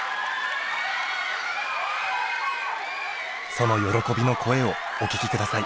その喜びの声をお聞き下さい。